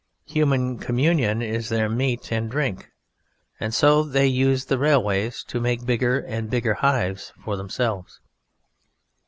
Human communion is their meat and drink, and so they use the railways to make bigger and bigger hives for themselves.